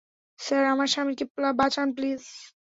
Sir, আমার স্বামীকে বাঁচান প্লিজ।